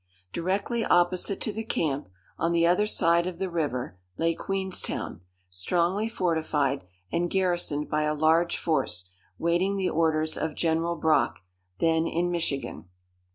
Directly opposite to the camp, on the other side of the river, lay Queenstown, strongly fortified, and garrisoned by a large force, waiting the orders of General Brock, then in Michigan.